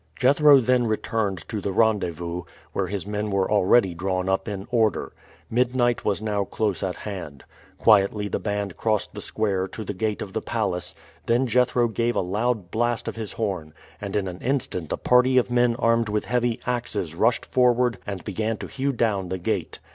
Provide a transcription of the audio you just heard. Jethro then returned to the rendezvous, where his men were already drawn up in order. Midnight was now close at hand. Quietly the band crossed the square to the gate of the palace; then Jethro gave a loud blast of his horn, and in an instant a party of men armed with heavy axes rushed forward and began to hew down the gate.